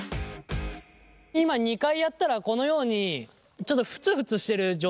今２回やったらこのようにちょっとふつふつしてる状態なんですけど。